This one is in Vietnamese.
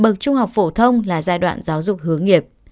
bậc trung học phổ thông là giai đoạn giáo dục hướng nghiệp